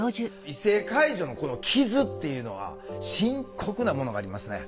異性介助のこの傷っていうのは深刻なものがありますね。